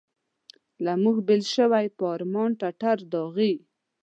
له موږ بېل شول په ارمان ټټر داغلي.